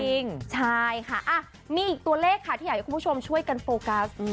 จริงใช่ค่ะมีอีกตัวเลขค่ะที่อยากให้คุณผู้ชมช่วยกันโฟกัส